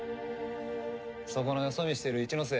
そこのよそ見してる一ノ瀬。